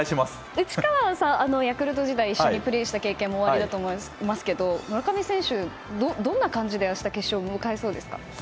内川さんはヤクルト時代一緒にプレーした経験もおありだと思いますが、村上選手どんな感じで明日決勝を迎えそうですか？